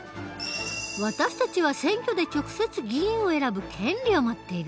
私たちは選挙で直接議員を選ぶ権利を持っている。